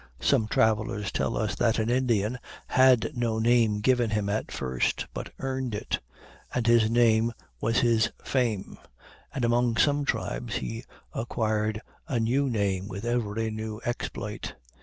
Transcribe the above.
Some travelers tell us that an Indian had no name given him at first, but earned it, and his name was his fame; and among some tribes he acquired a new name with every new exploit.